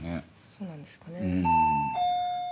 そうなんですかね。